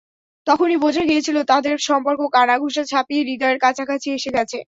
তখনই বোঝা গিয়েছিল তাঁদের সম্পর্ক কানাঘুষা ছাপিয়ে হৃদয়ের কাছাকাছি এসে গেছে।